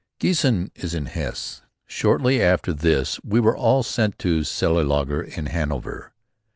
Giessen is in Hesse. Shortly after this we were all sent to Cellelaager in Hanover.